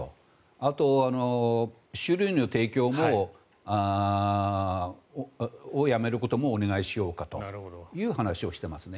あと、酒類の提供をやめることもお願いしようかという話をしていますね。